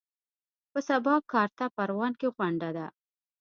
په سبا په کارته پروان کې غونډه وه.